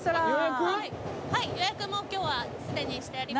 もう今日はすでにしてあります。